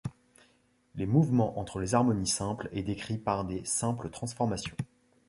Les mouvements entre les harmonies simples est décrit par des simples transformations.